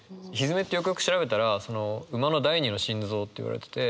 「蹄」ってよくよく調べたら馬の第二の心臓っていわれてて。